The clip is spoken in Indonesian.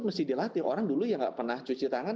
mesti dilatih orang dulu yang gak pernah cuci tangan